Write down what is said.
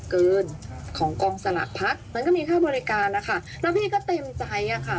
เกินของกองสลักพักมันก็มีค่าบริการนะคะแล้วพี่ก็เต็มใจอ่ะค่ะ